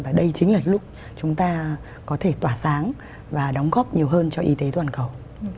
và đây chính là lúc chúng ta có thể tỏa sáng và đóng góp nhiều hơn cho y tế toàn cầu